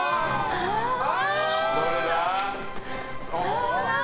どれだ？